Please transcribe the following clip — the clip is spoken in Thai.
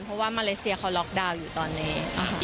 เพราะว่ามาเลเซียเขาล็อกดาวน์อยู่ตอนนี้